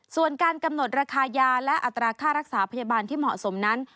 ส่วนการกำหนดราคายาและอัตราค่ารักษาพยาบาลที่เหมาะสมนั้น